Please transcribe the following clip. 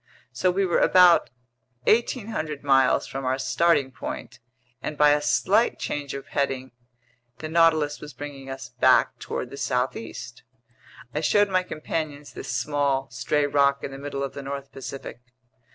So we were about 1,800 miles from our starting point, and by a slight change of heading, the Nautilus was bringing us back toward the southeast. I showed my companions this small, stray rock in the middle of the north Pacific.